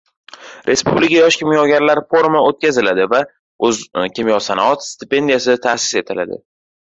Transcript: «Respublika yosh kimyogarlar forumi» o‘tkaziladi va «O‘zkimyosanoat» stipendiyasi» ta’sis etiladi